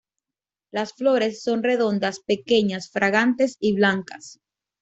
Las flores son redondas, pequeñas, fragantes y blancas.